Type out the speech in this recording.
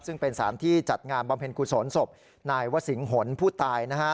ซึ่งเป็นสารที่จัดงานบำเพ็ญกุศลศพนายวสิงหนผู้ตาย